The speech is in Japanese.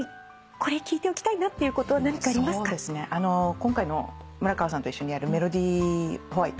今回の村川さんと一緒にやるメロディ・ホワイト。